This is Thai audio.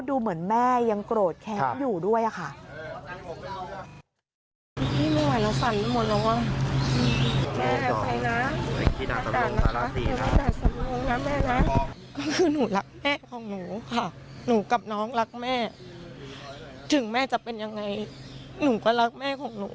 ถึงดวงวิญญาณของแม่แล้วดูเหมือนแม่ยังโกรธแค้นอยู่ด้วยอะค่ะ